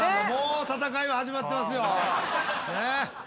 もう戦いは始まってますよ。